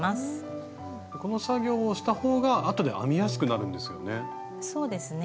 この作業をした方があとで編みやすくなるんですよね。